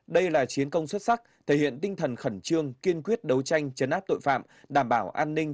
đây là chiến công xuất sắc thể hiện tinh thần khẩn trương kiên quyết đấu tranh chấn áp tội phạm đảm bảo an ninh